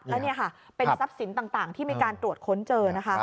แล้วนี่ค่ะเป็นทรัพย์สินต่างที่มีการตรวจค้นเจอนะคะ